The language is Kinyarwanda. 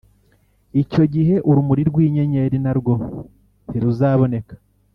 Icyo gihe urumuri rw’inyenyeri na rwo ntiruzaboneka